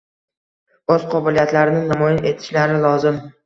Oʻz qobiliyatlarini namoyon etishlari lozim